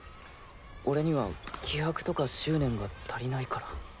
俺には気迫とか執念が足りないから。